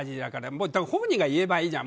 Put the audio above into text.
本人が言えばいいじゃん。